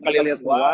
kalian lihat semua